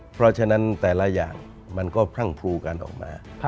เพราะฉะนั้นแต่ละอย่างมันก็พรั่งพลูกันออกมา